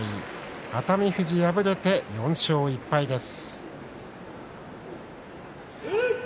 熱海富士は敗れて４勝１敗です。